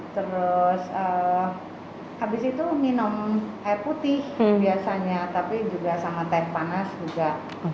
terus habis itu minum air putih biasanya tapi juga sama teh panas juga